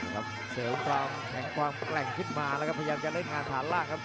ครับเสริมความแข็งความแกร่งขึ้นมาแล้วก็พยายามจะเล่นงานฐานล่างครับ